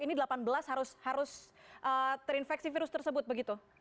ini delapan belas harus terinfeksi virus tersebut begitu